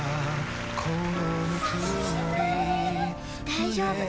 大丈夫。